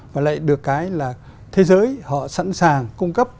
và lại được cái là thế giới họ sẵn sàng cung cấp